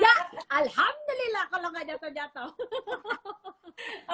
ya alhamdulillah kalau gak jatuh jatuh